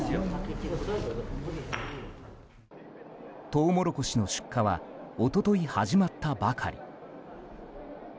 トウモロコシの出荷は一昨日、始まったばかり。